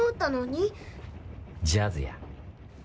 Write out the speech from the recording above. ジャズや。